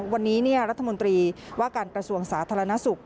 วันนี้รัฐมนตรีว่าการกระทรวงสาธารณสุข